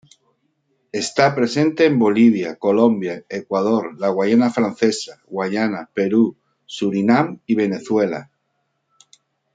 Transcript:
Está presente en Bolivia, Colombia, Ecuador, la Guayana francesa, Guyana, Perú, Surinam y Venezuela.